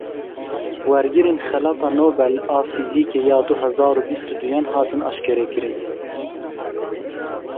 Wergirên Xelata Nobel a Fîzîkê ya du hezar û bîst û duyan hatin eşkerekirin.